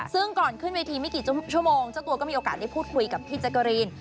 ซึ่งก่อนขึ้นเวทีไม่กี่ชั่วโมงเจ้าตัวก็มีโอกาสได้พูดคุยกับพี่แจ๊กกะรีน